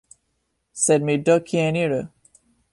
Sed mi do kien iru?